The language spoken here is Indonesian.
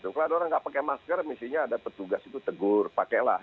kalau ada orang nggak pakai masker misalnya ada petugas itu tegur pakailah